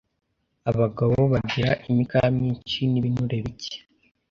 abagabo bagira imikaya nyinshi n’ibinure bike